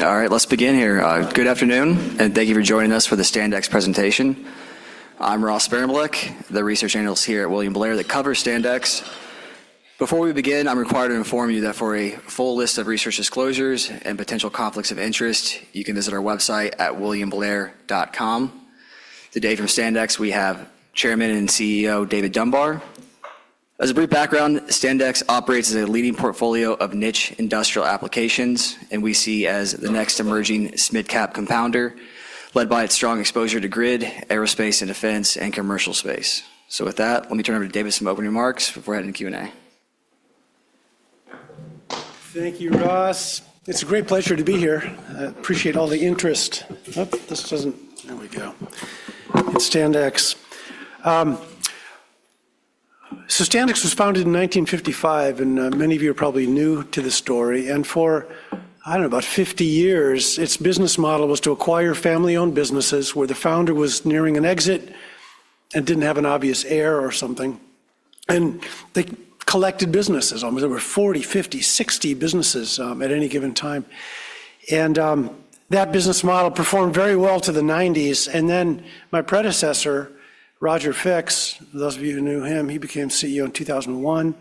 All right, let's begin here. Good afternoon. Thank you for joining us for the Standex presentation. I'm Ross Sparenblek, the research analyst here at William Blair that covers Standex. Before we begin, I'm required to inform you that for a full list of research disclosures and potential conflicts of interest, you can visit our website at williamblair.com. Today from Standex, we have Chairman and CEO, David Dunbar. As a brief background, Standex operates as a leading portfolio of niche industrial applications, and we see as the next emerging mid-cap compounder led by its strong exposure to grid, aerospace and defense, and commercial space. With that, let me turn over to David for some opening remarks before heading to Q&A. Thank you, Ross. It's a great pleasure to be here. I appreciate all the interest. Oh, there we go. Standex. Standex was founded in 1955, and many of you are probably new to the story. For, I don't know, about 50 years, its business model was to acquire family-owned businesses where the founder was nearing an exit and didn't have an obvious heir or something. They collected businesses. There were 40, 50, 60 businesses at any given time. That business model performed very well to the '90s. My predecessor, Roger Fix, those of you who knew him, he became CEO in 2001,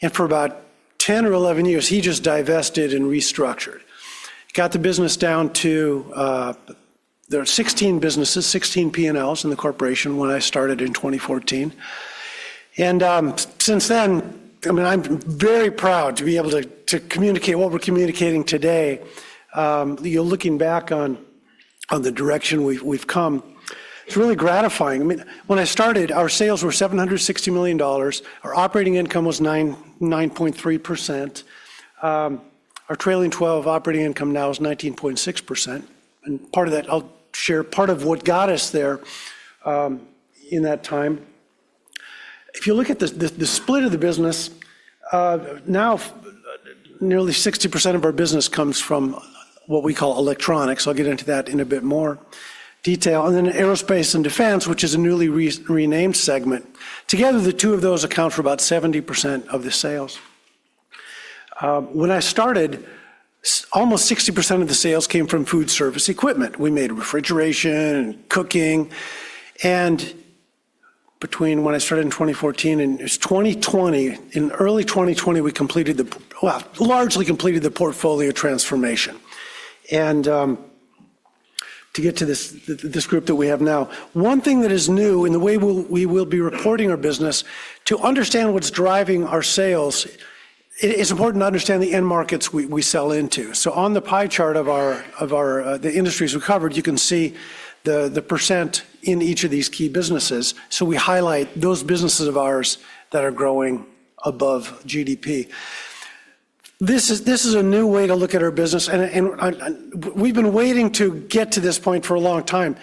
and for about 10 or 11 years, he just divested and restructured. There were 16 businesses, 16 P&Ls in the corporation when I started in 2014. Since then, I'm very proud to be able to communicate what we're communicating today. Looking back on the direction we've come, it's really gratifying. When I started, our sales were $760 million. Our operating income was 9.3%. Our trailing 12 operating income now is 19.6%, and part of that I'll share. Part of what got us there in that time, if you look at the split of the business, now nearly 60% of our business comes from what we call Electronics. I'll get into that in a bit more detail. Then Aerospace and Defense, which is a newly renamed segment. Together, the two of those account for about 70% of the sales. When I started, almost 60% of the sales came from food service equipment. We made refrigeration and cooking. Between when I started in 2014 and it's 2020, in early 2020, we largely completed the portfolio transformation to get to this group that we have now. One thing that is new in the way we will be reporting our business, to understand what's driving our sales, it is important to understand the end markets we sell into. On the pie chart of the industries we covered, you can see the percent in each of these key businesses. We highlight those businesses of ours that are growing above GDP. This is a new way to look at our business, and we've been waiting to get to this point for a long time.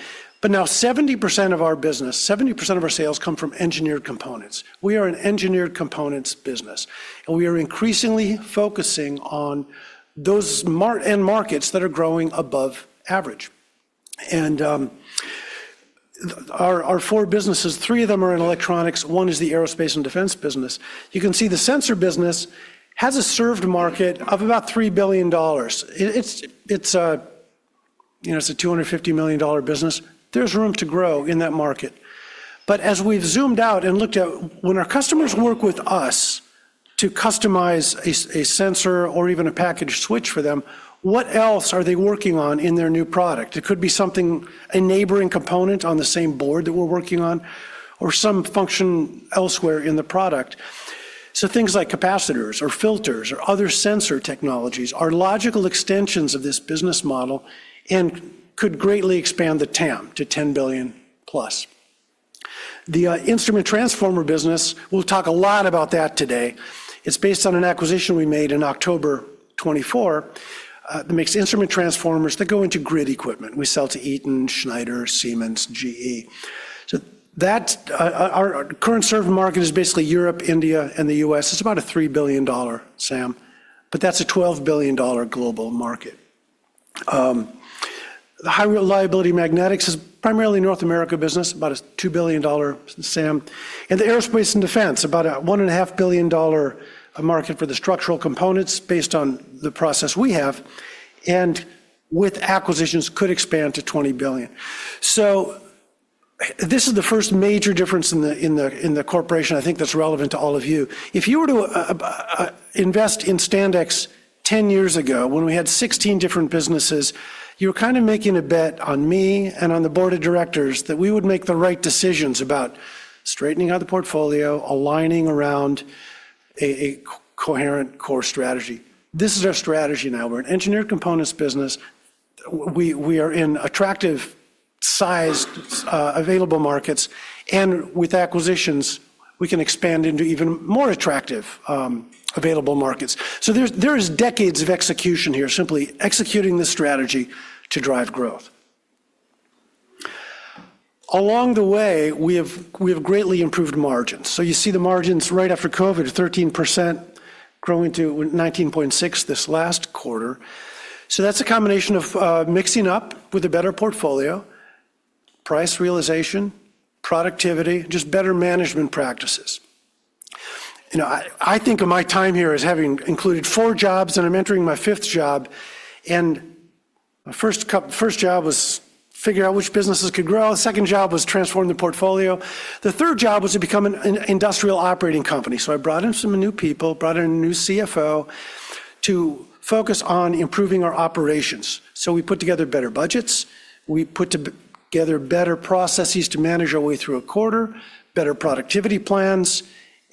Now 70% of our business, 70% of our sales come from engineered components. We are an engineered components business, and we are increasingly focusing on those end markets that are growing above average. Our four businesses, three of them are in electronics. One is the aerospace and defense business. You can see the sensor business has a served market of about $3 billion. It's a $250 million business. There's room to grow in that market. As we've zoomed out and looked at when our customers work with us to customize a sensor or even a packaged switch for them, what else are they working on in their new product? It could be a neighboring component on the same board that we're working on or some function elsewhere in the product. Things like capacitors or filters or other sensor technologies are logical extensions of this business model and could greatly expand the TAM to $10 billion plus. The instrument transformer business, we'll talk a lot about that today. It's based on an acquisition we made in October 2024, that makes instrument transformers that go into grid equipment. We sell to Eaton, Schneider, Siemens, GE. Our current served market is basically Europe, India, and the U.S. It's about a $3 billion SAM, but that's a $12 billion global market. The high reliability magnetics is primarily North America business, about a $2 billion SAM. The aerospace and defense, about a $1.5 billion market for the structural components based on the process we have, and with acquisitions could expand to $20 billion. This is the first major difference in the corporation, I think that's relevant to all of you. If you were to invest in Standex 10 years ago when we had 16 different businesses, you were kind of making a bet on me and on the board of directors that we would make the right decisions about straightening out the portfolio, aligning around a coherent core strategy. This is our strategy now. We're an engineered components business. We are in attractive sized available markets, and with acquisitions, we can expand into even more attractive available markets. There is decades of execution here, simply executing this strategy to drive growth. Along the way, we have greatly improved margins. You see the margins right after COVID, 13% growing to 19.6% this last quarter. That's a combination of mixing up with a better portfolio, price realization, productivity, just better management practices. I think of my time here as having included four jobs, and I'm entering my fifth job. My first job was figure out which businesses could grow. The second job was transform the portfolio. The third job was to become an industrial operating company. I brought in some new people, brought in a new CFO to focus on improving our operations. We put together better budgets, we put together better processes to manage our way through a quarter, better productivity plans,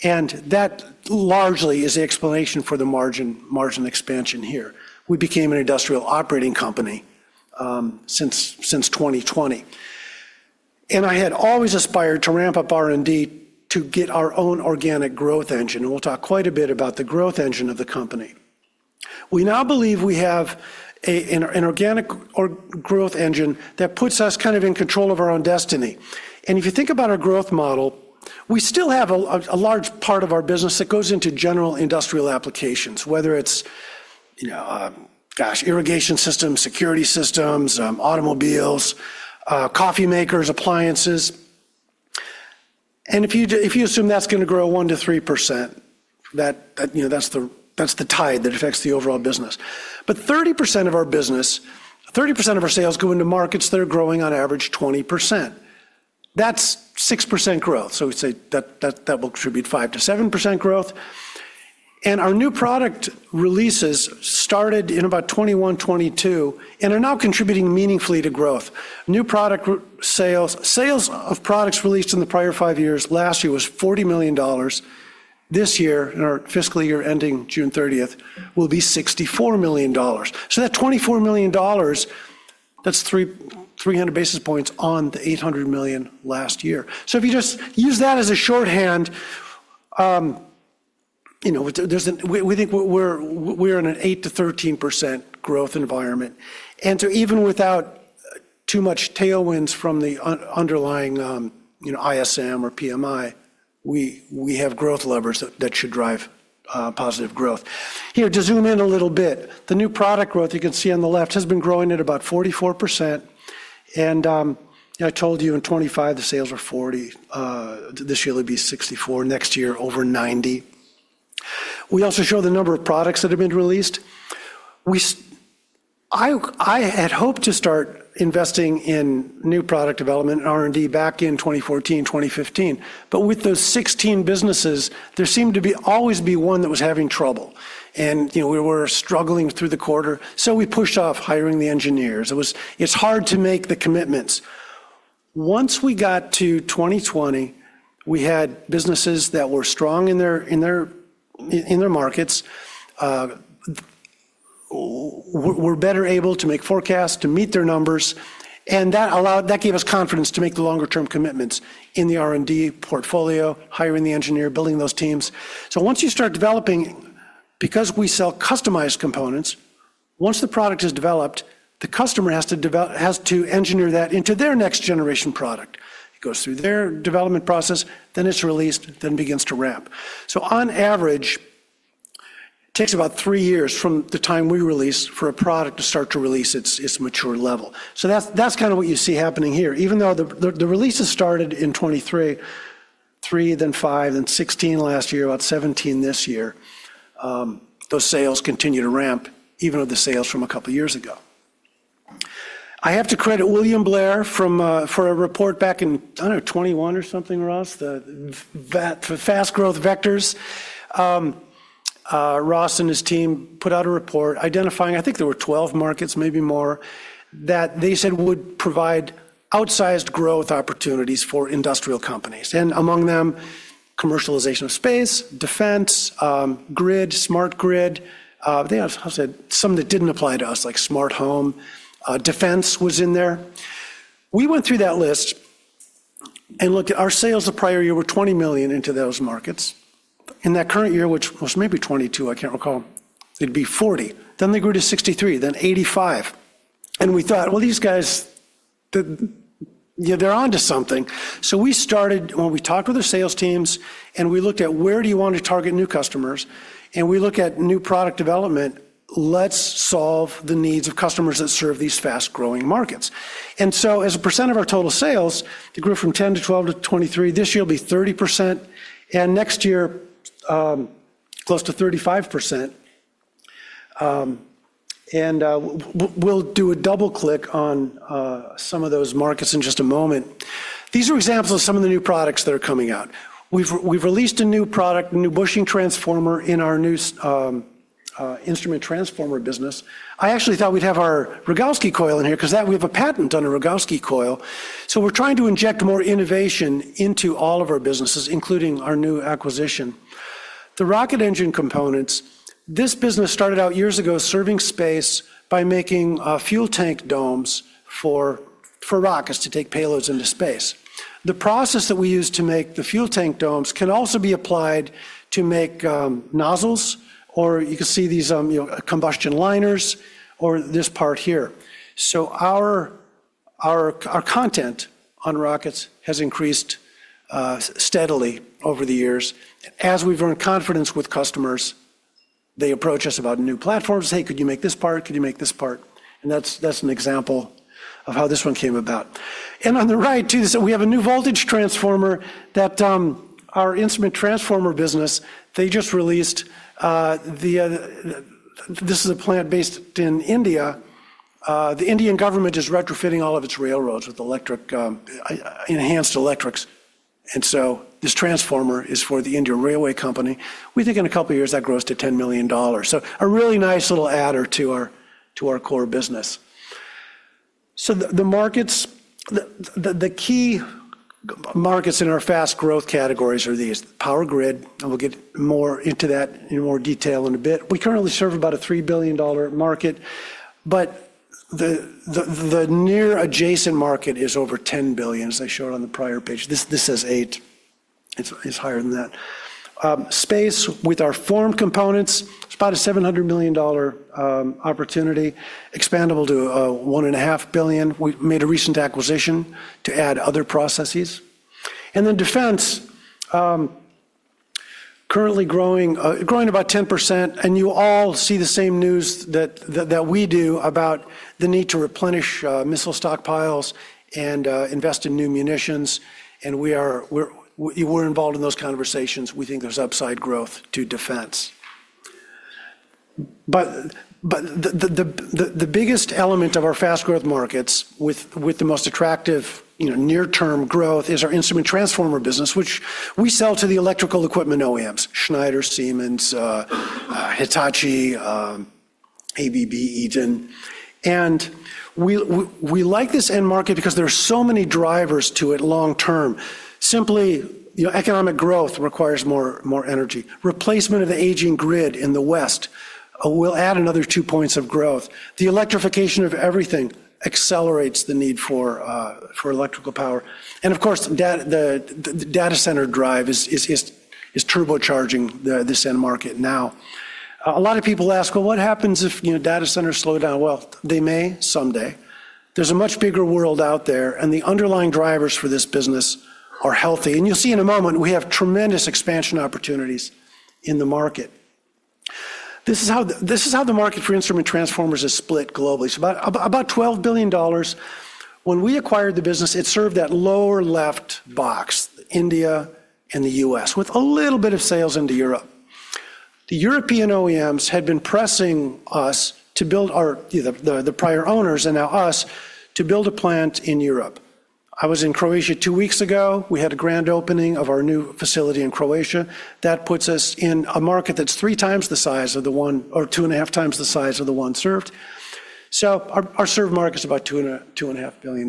and that largely is the explanation for the margin expansion here. We became an industrial operating company since 2020. I had always aspired to ramp up R&D to get our own organic growth engine, and we'll talk quite a bit about the growth engine of the company. We now believe we have an organic growth engine that puts us kind of in control of our own destiny. If you think about our growth model, we still have a large part of our business that goes into general industrial applications, whether it's, gosh, irrigation systems, security systems, automobiles, coffee makers, appliances. If you assume that's going to grow one percent-three percent, that's the tide that affects the overall business. 30% of our business, 30% of our sales go into markets that are growing on average 20%. That's six percent growth. We say that will contribute five percent-seven percent growth. Our new product releases started in about 2021, 2022, and are now contributing meaningfully to growth. New product sales. Sales of products released in the prior five years last year was $40 million. This year, in our fiscal year ending June 30th, will be $64 million. That $24 million, that's 300 basis points on the $800 million last year. If you just use that as a shorthand, we think we're in an 8%-13% growth environment. Even without too much tailwinds from the underlying ISM or PMI, we have growth levers that should drive positive growth. Here, to zoom in a little bit, the new product growth you can see on the left has been growing at about 44%, and I told you in 2025, the sales are $40. This year, it'll be $64. Next year, over $90. We also show the number of products that have been released. I had hoped to start investing in new product development and R&D back in 2014, 2015. With those 16 businesses, there seemed to always be one that was having trouble. We were struggling through the quarter. We pushed off hiring the engineers. It's hard to make the commitments. Once we got to 2020, we had businesses that were strong in their markets, were better able to make forecasts to meet their numbers, and that gave us confidence to make the longer-term commitments in the R&D portfolio, hiring the engineer, building those teams. Once you start developing, because we sell customized components, once the product is developed, the customer has to engineer that into their next generation product. It goes through their development process, then it's released, then begins to ramp. On average, takes about three years from the time we release for a product to start to release its mature level. That's kind of what you see happening here. Even though the releases started in 2023, three, then five, then 16 last year, about 17 this year. Those sales continue to ramp, even with the sales from a couple years ago. I have to credit William Blair for a report back in, I don't know, '21 or something, Ross? The Fast Growth Vectors. Ross and his team put out a report identifying, I think there were 12 markets, maybe more, that they said would provide outsized growth opportunities for industrial companies. Among them, commercialization of space, defense, grid, smart grid. They said some that didn't apply to us, like smart home. Defense was in there. We went through that list and looked at our sales the prior year were $20 million into those markets. In that current year, which was maybe '22, I can't recall, it'd be $40 million. They grew to $63 million, then $85 million. We thought, "Well, these guys, they're onto something." We started when we talked with the sales teams, and we looked at where do you want to target new customers, and we look at new product development. Let's solve the needs of customers that serve these fast-growing markets. As a % of our total sales, it grew from 10 to 12 to 23. This year, it'll be 30%, and next year, close to 35%. We'll do a double-click on some of those markets in just a moment. These are examples of some of the new products that are coming out. We've released a new product, a new bushing transformer in our new instrument transformer business. I actually thought we'd have our Rogowski coil in here because we have a patent on a Rogowski coil. We're trying to inject more innovation into all of our businesses, including our new acquisition. The rocket engine components, this business started out years ago serving space by making fuel tank domes for rockets to take payloads into space. The process that we use to make the fuel tank domes can also be applied to make nozzles, or you can see these combustion liners or this part here. Our content on rockets has increased steadily over the years as we've earned confidence with customers. They approach us about new platforms. "Hey, could you make this part? Could you make this part?" That's an example of how this one came about. On the right, too, we have a new voltage transformer that our instrument transformer business, they just released. This is a plant based in India. The Indian government is retrofitting all of its railroads with enhanced electrics. This transformer is for Indian Railways. We think in a couple of years, that grows to $10 million. A really nice little adder to our core business. The key markets in our Fast Growth Vectors are these. Power grid, we'll get more into that in more detail in a bit. We currently serve about a $3 billion market, but the near adjacent market is over $10 billion, as I showed on the prior page. This says eight. It's higher than that. Space with our formed components, it's about a $700 million opportunity, expandable to $1.5 billion. We made a recent acquisition to add other processes. Defense, currently growing about 10%, you all see the same news that we do about the need to replenish missile stockpiles and invest in new munitions, we're involved in those conversations. We think there's upside growth to defense. The biggest element of our Fast Growth Markets with the most attractive near-term growth is our instrument transformer business, which we sell to the electrical equipment OEMs, Schneider, Siemens, Hitachi, ABB, Eaton. We like this end market because there are so many drivers to it long term. Simply, economic growth requires more energy. Replacement of the aging grid in the West will add another two points of growth. The electrification of everything accelerates the need for electrical power. Of course, the data center drive is turbocharging this end market now. A lot of people ask, "Well, what happens if data centers slow down?" Well, they may someday. There's a much bigger world out there, and the underlying drivers for this business are healthy. You'll see in a moment, we have tremendous expansion opportunities in the market. This is how the market for instrument transformers is split globally. About $12 billion. When we acquired the business, it served that lower left box, India and the U.S., with a little bit of sales into Europe. The European OEMs had been pressing us, the prior owners and now us, to build a plant in Europe. I was in Croatia two weeks ago. We had a grand opening of our new facility in Croatia. That puts us in a market that's three times the size of the one or two and a half times the size of the one served. Our served market is about $2.5 billion.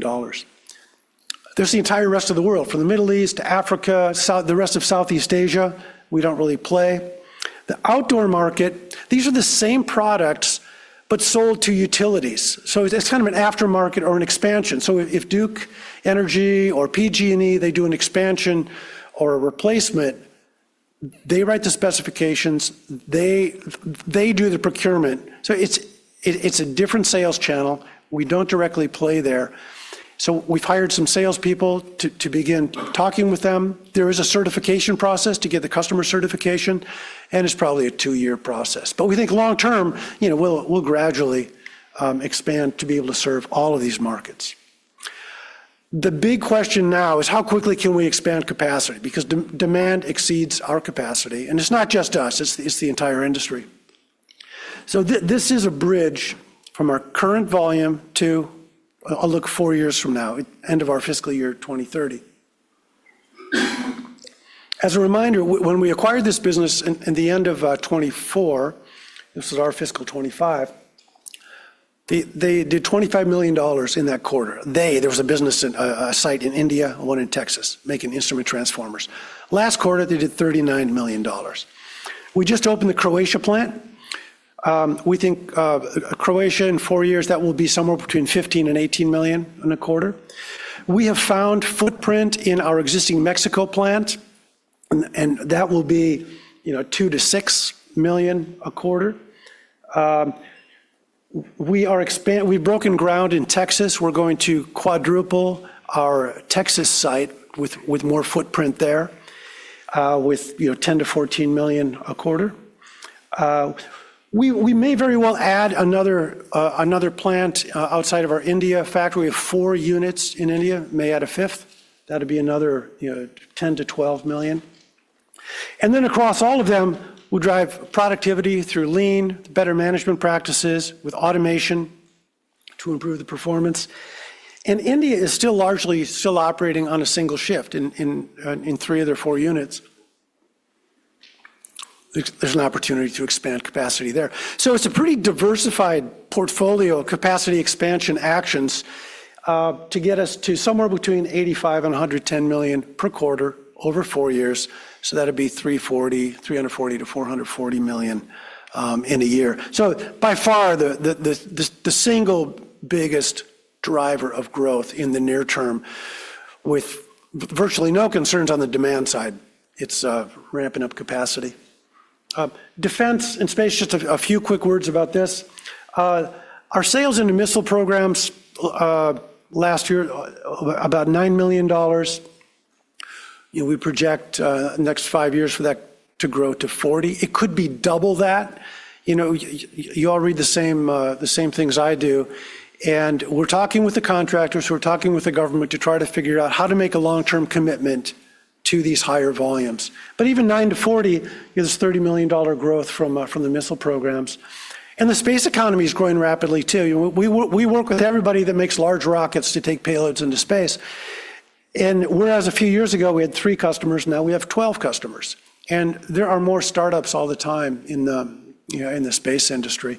There's the entire rest of the world, from the Middle East to Africa, the rest of Southeast Asia, we don't really play. The outdoor market, these are the same products, but sold to utilities. It's kind of an aftermarket or an expansion. If Duke Energy or PG&E, they do an expansion or a replacement, they write the specifications. They do the procurement. It's a different sales channel. We don't directly play there. We've hired some salespeople to begin talking with them. There is a certification process to get the customer certification, and it's probably a two-year process. We think long term, we'll gradually expand to be able to serve all of these markets. The big question now is how quickly can we expand capacity? Demand exceeds our capacity, it's not just us, it's the entire industry. This is a bridge from our current volume to, a look four years from now, end of our fiscal year 2030. As a reminder, when we acquired this business in the end of 2024, this is our fiscal 2025, they did $25 million in that quarter. There was a business, a site in India, one in Texas, making instrument transformers. Last quarter, they did $39 million. We just opened the Croatia plant. We think Croatia, in four years, that will be somewhere between $15 million and $18 million in a quarter. We have found footprint in our existing Mexico plant, that will be $2 million-$6 million a quarter. We've broken ground in Texas. We're going to quadruple our Texas site with more footprint there, with $10 million-$14 million a quarter. We may very well add another plant outside of our India factory. We have four units in India, may add a fifth. That'd be another $10 million-$12 million. Across all of them, we'll drive productivity through lean, better management practices with automation to improve the performance. India is still largely still operating on a single shift in three of their four units. There's an opportunity to expand capacity there. It's a pretty diversified portfolio capacity expansion actions, to get us to somewhere between $85 million and $110 million per quarter over four years. That'd be $340 million-$440 million in a year. By far, the single biggest driver of growth in the near term with virtually no concerns on the demand side. It's ramping up capacity. Defense and space, just a few quick words about this. Our sales into missile programs last year, about $9 million. We project next five years for that to grow to $40 million. It could be double that. You all read the same things I do. We're talking with the contractors, we're talking with the government to try to figure out how to make a long-term commitment to these higher volumes. Even $9 million - $40 million is $30 million growth from the missile programs. The space economy is growing rapidly too. We work with everybody that makes large rockets to take payloads into space. Whereas a few years ago, we had three customers, now we have 12 customers. There are more startups all the time in the space industry.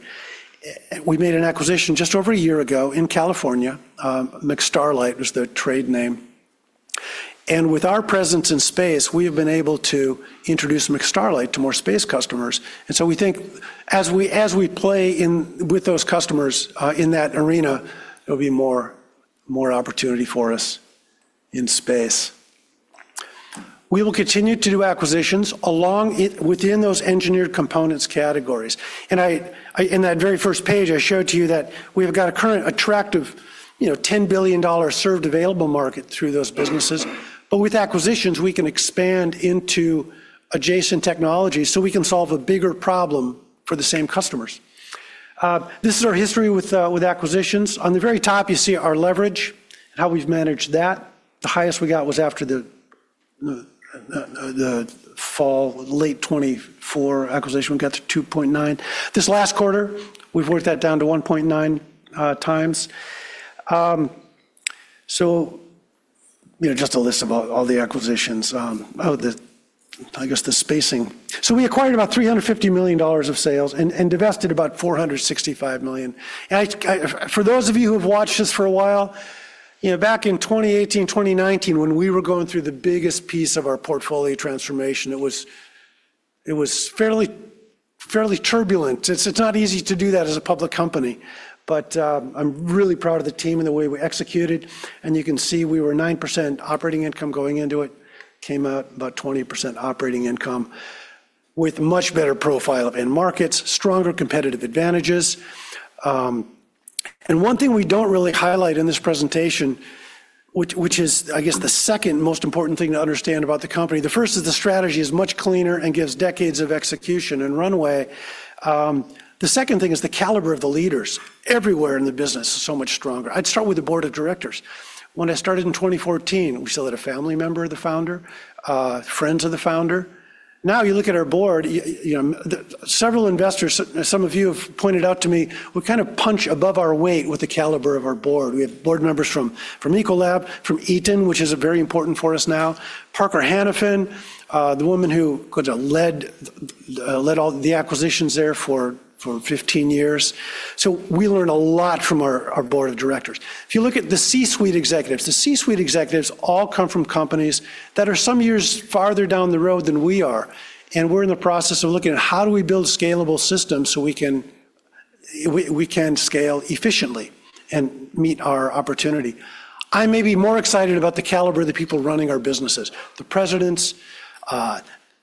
We made an acquisition just over a year ago in California. McStarlite was the trade name. With our presence in space, we have been able to introduce McStarlite to more space customers. We think as we play with those customers in that arena, there'll be more opportunity for us in space. We will continue to do acquisitions within those engineered components categories. In that very first page, I showed to you that we've got a current attractive $10 billion served available market through those businesses. With acquisitions, we can expand into adjacent technology so we can solve a bigger problem for the same customers. This is our history with acquisitions. On the very top, you see our leverage and how we've managed that. The highest we got was after the fall, late 2024 acquisition, we got to 2.9. This last quarter, we've worked that down to 1.9x. Just a list of all the acquisitions. Oh, I guess the spacing. We acquired about $350 million of sales and divested about $465 million. For those of you who have watched this for a while, back in 2018, 2019, when we were going through the biggest piece of our portfolio transformation, it was fairly turbulent. It's not easy to do that as a public company. I'm really proud of the team and the way we executed, and you can see we were nine percent operating income going into it, came out about 20% operating income with much better profile in markets, stronger competitive advantages. One thing we don't really highlight in this presentation, which is, I guess, the second most important thing to understand about the company. The first is the strategy is much cleaner and gives decades of execution and runway. The second thing is the caliber of the leaders everywhere in the business is so much stronger. I'd start with the board of directors. When I started in 2014, we still had a family member of the founder, friends of the founder. Now you look at our board, several investors, some of you have pointed out to me, we kind of punch above our weight with the caliber of our board. We have board members from Ecolab, from Eaton, which is very important for us now. Parker Hannifin, the woman who led all the acquisitions there for 15 years. We learn a lot from our board of directors. If you look at the C-suite executives, the C-suite executives all come from companies that are some years farther down the road than we are, and we're in the process of looking at how do we build scalable systems so we can scale efficiently and meet our opportunity. I may be more excited about the caliber of the people running our businesses, the presidents,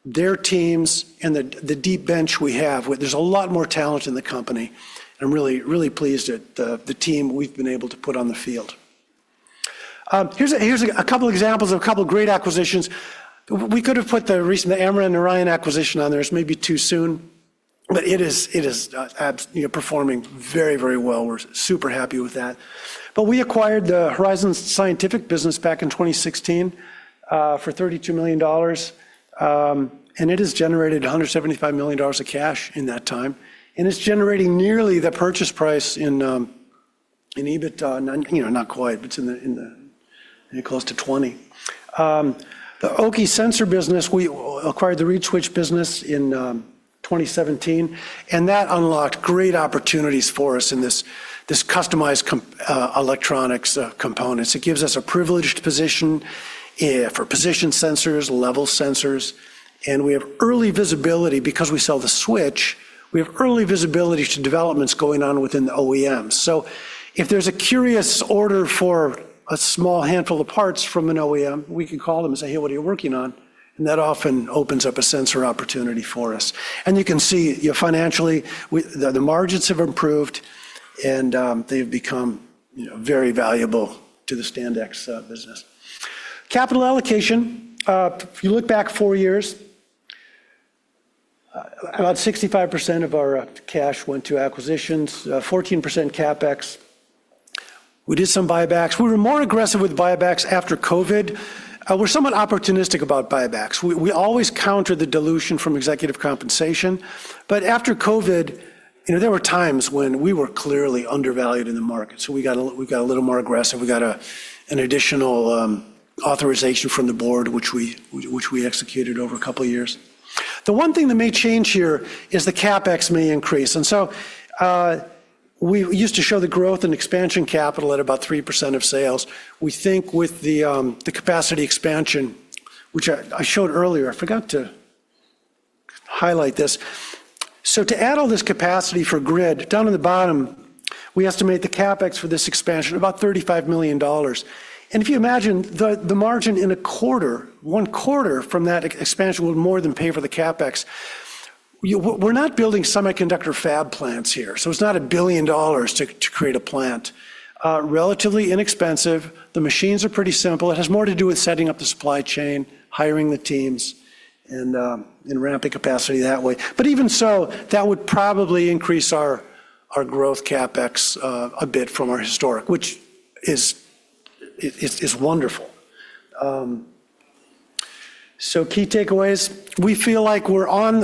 their teams, and the deep bench we have. There's a lot more talent in the company. I'm really pleased at the team we've been able to put on the field. Here's a couple examples of a couple great acquisitions. We could have put the recent Amran/Narayan acquisition on there. It's maybe too soon, it is performing very well. We're super happy with that. We acquired the Horizon Scientific business back in 2016 for $32 million, and it has generated $175 million of cash in that time, and it's generating nearly the purchase price in EBIT. Not quite, it's close to 20. The OKI Sensor business, we acquired the reed switch business in 2017, and that unlocked great opportunities for us in this customized electronics components. It gives us a privileged position for position sensors, level sensors, and we have early visibility because we sell the switch. We have early visibility to developments going on within the OEMs. If there's a curious order for a small handful of parts from an OEM, we can call them and say, "Hey, what are you working on?" That often opens up a sensor opportunity for us. You can see financially, the margins have improved and they've become very valuable to the Standex business. Capital allocation. If you look back four years, about 65% of our cash went to acquisitions, 14% CapEx. We did some buybacks. We were more aggressive with buybacks after COVID. We're somewhat opportunistic about buybacks. We always counter the dilution from executive compensation. After COVID, there were times when we were clearly undervalued in the market. We got a little more aggressive. We got an additional authorization from the board, which we executed over a couple of years. The one thing that may change here is the CapEx may increase. We used to show the growth and expansion capital at about three percent of sales. We think with the capacity expansion, which I showed earlier, I forgot to highlight this. To add all this capacity for grid, down in the bottom, we estimate the CapEx for this expansion, about $35 million. If you imagine the margin in a quarter, one quarter from that expansion will more than pay for the CapEx. We're not building semiconductor fab plants here, so it's not $1 billion to create a plant. Relatively inexpensive. The machines are pretty simple. It has more to do with setting up the supply chain, hiring the teams, and ramping capacity that way. Even so, that would probably increase our growth CapEx a bit from our historic, which is wonderful. Key takeaways. We feel like we're on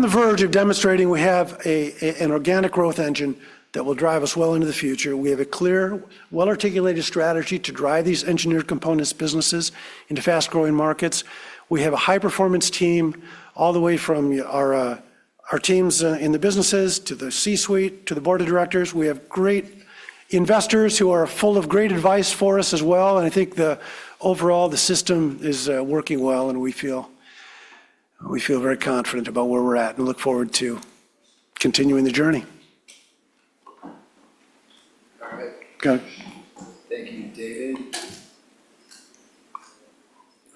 the verge of demonstrating we have an organic growth engine that will drive us well into the future. We have a clear, well-articulated strategy to drive these engineered components businesses into fast-growing markets. We have a high-performance team all the way from our teams in the businesses, to the C-suite, to the board of directors. We have great investors who are full of great advice for us as well, and I think overall, the system is working well and we feel very confident about where we're at and look forward to continuing the journey. All right. Okay. Thank you, David.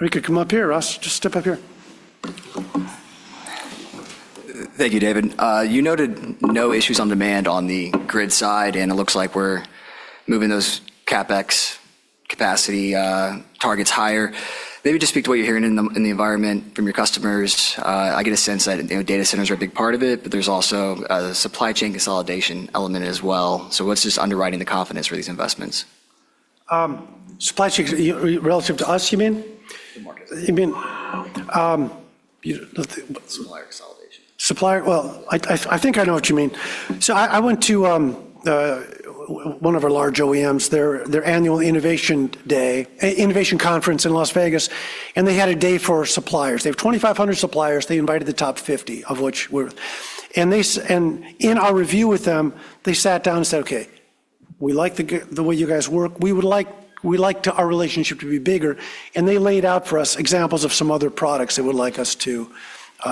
You could come up here, Ross. Just step up here. Thank you, David. You noted no issues on demand on the grid side, and it looks like we're moving those CapEx capacity targets higher. Maybe just speak to what you're hearing in the environment from your customers. I get a sense that data centers are a big part of it, but there's also a supply chain consolidation element as well. What's just underwriting the confidence for these investments? Supply chains relative to us, you mean? The markets. You mean. Supplier consolidation. I think I know what you mean. I went to one of our large OEMs, their annual innovation conference in Las Vegas, and they had a day for suppliers. They have 2,500 suppliers. They invited the top 50. In our review with them, they sat down and said, "Okay. We like the way you guys work. We like our relationship to be bigger." They laid out for us examples of some other products they would like us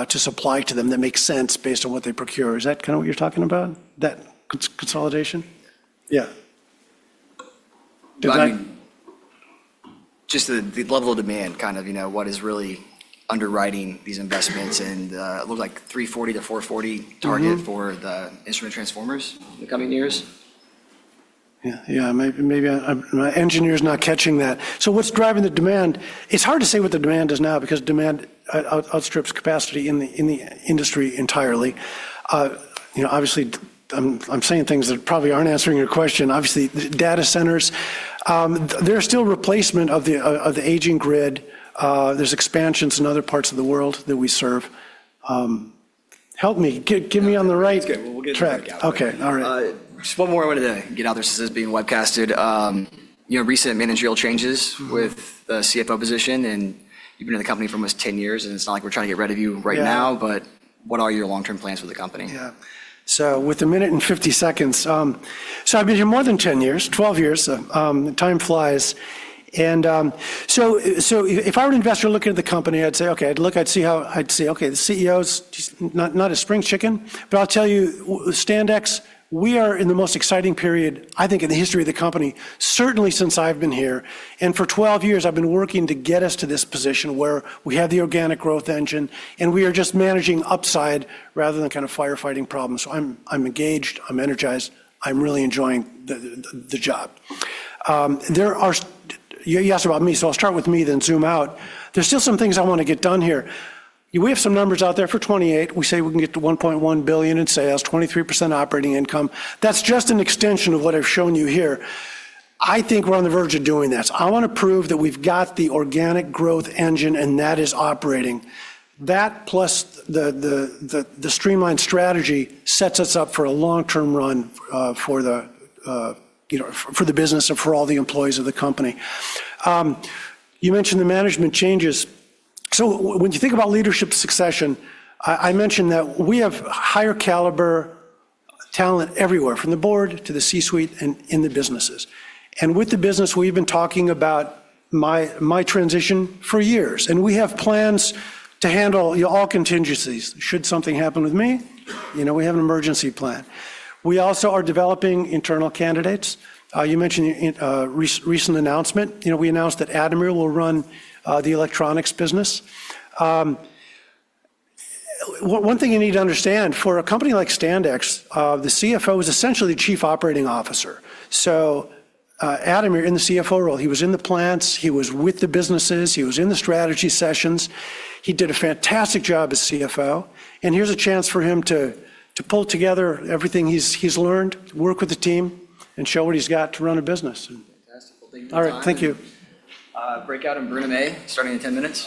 to supply to them that make sense based on what they procure. Is that kind of what you're talking about? That consolidation? Yeah. Yeah. Just the level of demand, kind of what is really underwriting these investments and it looked like $340-$440 target. for the instrument transformers in the coming years. Yeah. Maybe my engineer's not catching that. What's driving the demand? It's hard to say what the demand is now because demand outstrips capacity in the industry entirely. Obviously, I'm saying things that probably aren't answering your question. Obviously, data centers, they're still replacement of the aging grid. There's expansions in other parts of the world that we serve. Help me. It's good. track. Okay. All right. Just one more I wanted to get out there since this is being webcasted. Recent managerial changes with the CFO position, and you've been in the company for almost 10 years, and it's not like we're trying to get rid of you right now. Yeah What are your long-term plans with the company? Yeah. With a minute and 50 seconds. I've been here more than 10 years, 12 years. Time flies. If I were an investor looking at the company, I'd say, "Okay." I'd see, "Okay, the CEO's not a spring chicken." I'll tell you, Standex, we are in the most exciting period, I think, in the history of the company, certainly since I've been here. For 12 years, I've been working to get us to this position where we have the organic growth engine, and we are just managing upside rather than kind of firefighting problems. I'm engaged, I'm energized, I'm really enjoying the job. You asked about me, so I'll start with me, then zoom out. There's still some things I want to get done here. We have some numbers out there for 2028. We say we can get to $1.1 billion in sales, 23% operating income. That's just an extension of what I've shown you here. I think we're on the verge of doing that. I want to prove that we've got the organic growth engine and that is operating. That plus the streamlined strategy sets us up for a long-term run for the business and for all the employees of the company. You mentioned the management changes. When you think about leadership succession, I mentioned that we have higher caliber talent everywhere, from the Board to the C-suite and in the businesses. With the business, we've been talking about my transition for years, and we have plans to handle all contingencies should something happen with me. We have an emergency plan. We also are developing internal candidates. You mentioned recent announcement. We announced that Ademir will run the Electronics business. One thing you need to understand, for a company like Standex, the CFO is essentially chief operating officer. Ademir in the CFO role, he was in the plants, he was with the businesses, he was in the strategy sessions. He did a fantastic job as CFO, and here's a chance for him to pull together everything he's learned, work with the team, and show what he's got to run a business. Fantastic. Well, thank you for your time. All right. Thank you. Breakout in Room A starting in 10 minutes.